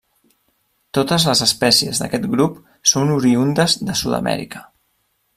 Totes les espècies d'aquest grup són oriündes de Sud-amèrica.